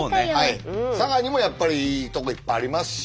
佐賀にもやっぱりいいとこいっぱいありますし。